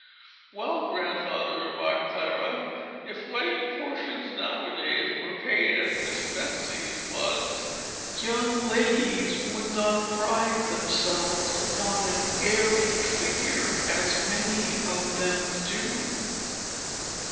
"Well, Grandfather," remarked Clara, "if wedding portions now a days were paid as Miss Betsey's was, young ladies would not pride themselves upon an airy figure as many of them do."